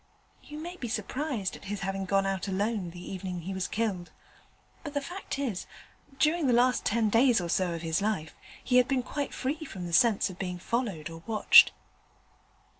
You may be surprised at his having gone out alone the evening he was killed, but the fact is that during the last ten days or so of his life he had been quite free from the sense of being followed or watched.'